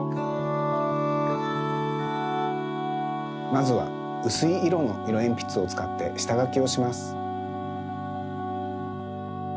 まずはうすいいろのいろえんぴつをつかってしたがきをします。